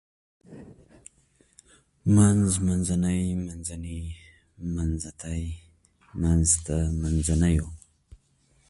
منځ منځنۍ منځني منځتی منځته منځنيو